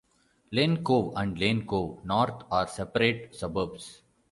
Lane Cove and Lane Cove North are separate suburbs.